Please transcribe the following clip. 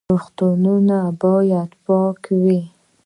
روغتونونه باید پاک وي